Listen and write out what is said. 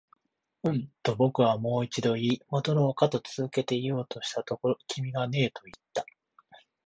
うん、と僕はもう一度言い、戻ろうかと続けて言おうとしたところ、君がねえと言った